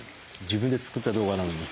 自分で作った動画なのに。